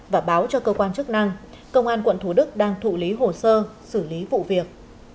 và báo cho cơ quan chức năng công an quận thủ đức đang thụ lý hồ sơ xử lý vụ việc